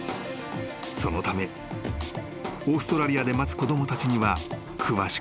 ［そのためオーストラリアで待つ子供たちには］